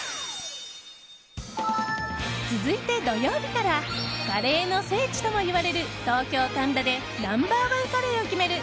続いて、土曜日からカレーの聖地ともいわれる東京・神田でナンバー１カレーを決める